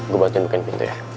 gue bantu nundukin pintu ya